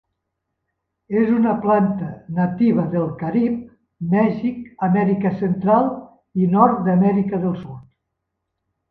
És una planta nativa del Carib, Mèxic, Amèrica Central i nord d'Amèrica del Sud.